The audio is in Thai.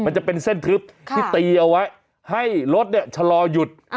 มันจะเป็นเส้นทึบที่ตีเอาไว้ให้รถเนี่ยชะลอหยุด